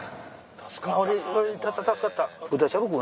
助かったな。